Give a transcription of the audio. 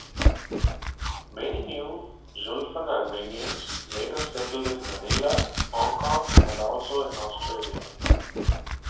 Many New Julfan Armenians later settled in Manila, Hong Kong, and also in Australia.